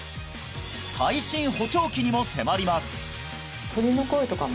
最新補聴器にも迫ります！